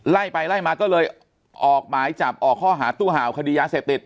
ไล่ไปไล่มาก็เลยออกหมายจับออกข้อหาตู้ห่าวคดียาเสพติด